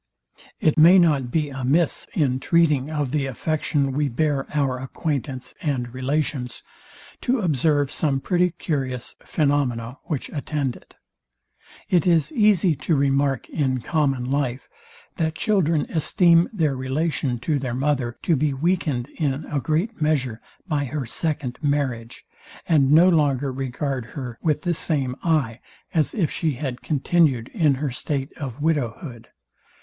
It may not be amiss, in treating of the affection we bear our acquaintance and relations, to observe some pretty curious phaenomena, which attend it. It is easy to remark in common life, that children esteem their relation to their mother to be weakened, in a great measure, by her second marriage, and no longer regard her with the same eye, as if she had continued in her state of widow hood.